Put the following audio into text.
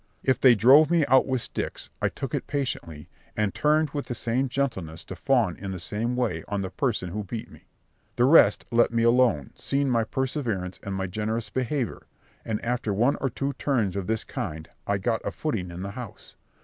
If they drove me out with sticks, I took it patiently, and turned with the same gentleness to fawn in the same way on the person who beat me. The rest let me alone, seeing my perseverance and my generous behaviour; and after one or two turns of this kind, I got a footing in the house.